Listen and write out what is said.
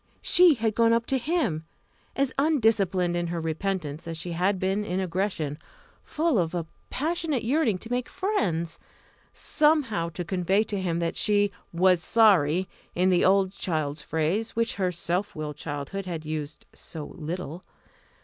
She had gone up to him as undisciplined in her repentance as she had been in aggression full of a passionate yearning to make friends somehow to convey to him that she "was sorry," in the old child's phrase which her self willed childhood had used so little.